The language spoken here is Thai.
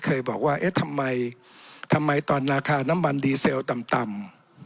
เคยบอกว่าเอ๊ะทำไมทำไมตอนราคาน้ำมันดีเซลต่ำ